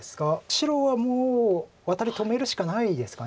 白はもうワタリ止めるしかないですか。